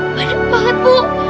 banyak banget bu